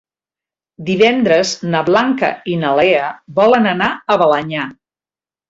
Divendres na Blanca i na Lea volen anar a Balenyà.